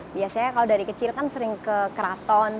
biasanya kalau dari kecil kan sering ke keraton